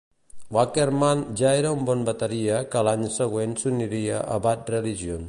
Wackerman ja era un bon bateria que l'any següent s'uniria a Bad Religion.